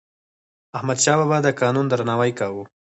احمدشاه بابا د قانون درناوی کاوه.